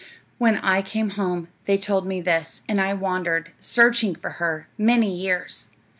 "'When I came home they told me this, and I wandered, searching for her, many years.